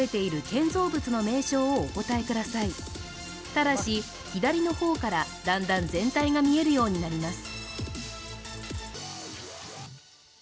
ただし、左の方からだんだん全体が見えるようになります。